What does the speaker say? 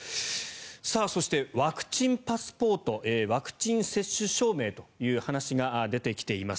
そしてワクチンパスポートワクチン接種証明という話が出てきています。